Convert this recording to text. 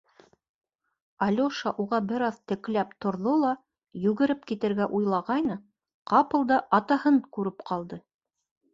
Алёша уға бер аҙ текләп торҙо ла, йүгереп китергә уйлағайны, ҡапылда атаһын күреп ҡалды.